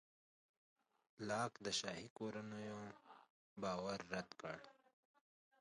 لاک د شاهي کورنیو باور رد کړ.